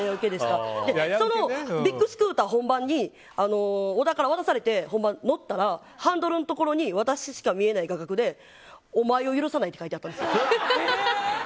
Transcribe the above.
そのビッグスクーターを小田から渡されて、本番乗ったらハンドルのところに私しか見えない画角でお前を許さないって書いてあったんですよ。